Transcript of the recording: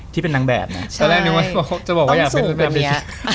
ที่เป็นนางแบบเนี่ยต้องสูงกว่านี้